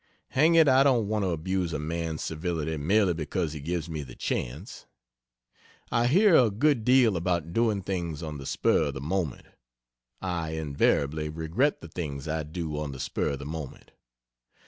Hang it, I don't want to abuse a man's civility merely because he gives me the chance. I hear a good deal about doing things on the "spur of the moment" I invariably regret the things I do on the spur of the moment.